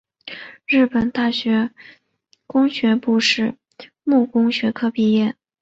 日本大学工学部土木工学科毕业。